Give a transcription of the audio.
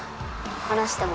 離しても。